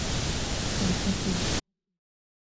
เศรษฐกิจ